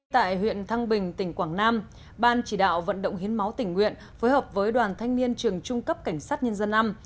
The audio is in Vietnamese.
tại huyện thăng bình tỉnh quảng nam ban chỉ đạo vận động hiến máu tỉnh nguyện phối hợp với đoàn thanh niên trường trung cấp cảnh sát nhân dân năm